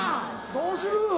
どうする？